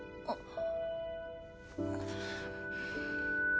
あっ。